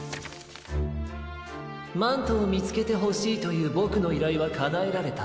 「マントをみつけてほしいというボクのいらいはかなえられた。